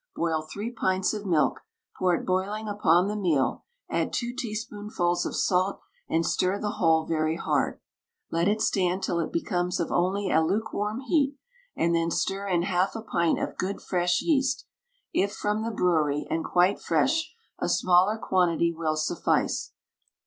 Boil three pints of milk; pour it boiling upon the meal; add two teaspoonfuls of salt, and stir the whole very hard. Let it stand till it becomes of only a lukewarm heat, and then stir in half a pint of good, fresh yeast; if from the brewery and quite fresh, a smaller quantity will suffice.